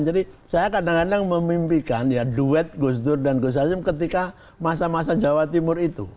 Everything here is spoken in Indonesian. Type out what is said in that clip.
jadi saya kadang kadang memimpikan ya duet gus dur dan gus hasim ketika masa masa jawa timur itu